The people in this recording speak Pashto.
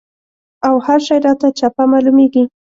او هر شی راته چپه معلومېږي.